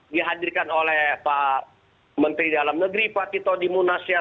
dihadirkan oleh pak menteri dalam negeri pak tito di munasnya